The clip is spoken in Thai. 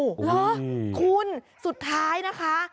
เหรอคุณสุดท้ายนะคะ